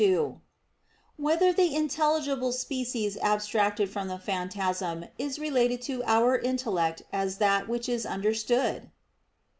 2] Whether the Intelligible Species Abstracted from the Phantasm Is Related to Our Intellect As That Which Is Understood?